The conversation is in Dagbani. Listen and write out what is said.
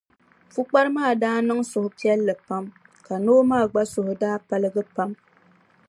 Pukpara maa daa niŋ suhupiɛlli pam ka noo maa gba suhu daa paligi pam.